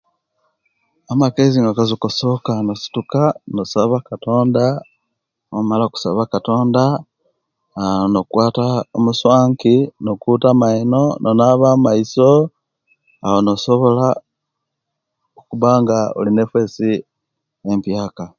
Amakezi nga wakazukuka osoka nosaba katonda owonala okusaba katonda aaa nokwata omuswanki nokuta amaino, nonaba onaiso awo nosobola okuba nga olina efesi empiyaka